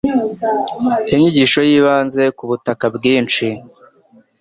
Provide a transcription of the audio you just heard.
Inyigisho yibanze ku butaka bwinshi.